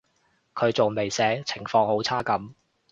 佢仲未醒，情況好差噉